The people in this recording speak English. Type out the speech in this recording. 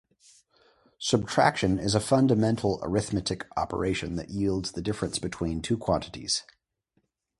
Subtraction is a fundamental arithmetic operation that yields the difference between two quantities.